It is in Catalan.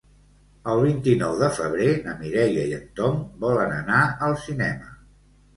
El vint-i-nou de febrer na Mireia i en Tom volen anar al cinema.